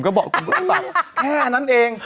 ก็บอกคุณแค่นั้นเอง